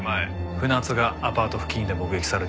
船津がアパート付近で目撃されてる。